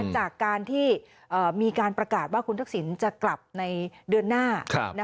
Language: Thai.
จากการที่มีการประกาศว่าคุณทักษิณจะกลับในเดือนหน้า